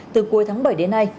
từ cuối tháng bảy đến nay